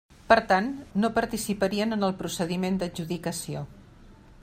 Per tant, no participarien en el procediment d'adjudicació.